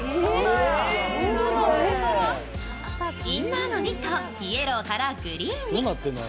インナーのニットをイエローからグリーンに。